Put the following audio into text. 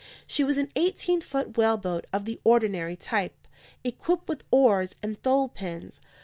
She was an eighteen foot whaleboat of the ordinary type, equipped with oars and thole pins.